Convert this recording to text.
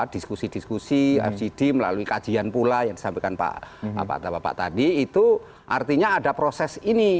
diskusi diskusi fgd melalui kajian pula yang disampaikan pak bapak tadi itu artinya ada proses ini